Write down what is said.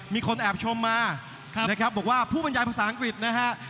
มีคนแอบชมมานะครับบอกว่าผู้บรรยายภาษาอังกฤษนะฮะ